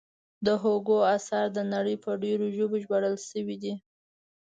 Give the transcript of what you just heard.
د هوګو اثار د نړۍ په ډېرو ژبو ژباړل شوي دي.